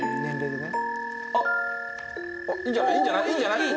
あっいいんじゃない？いいんじゃない？